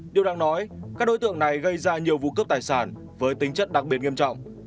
điều đang nói các đối tượng này gây ra nhiều vụ cướp tài sản với tính chất đặc biệt nghiêm trọng